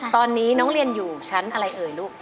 ตอนนี้น้องเรียนอยู่ชั้นอะไรเอ่ยลูก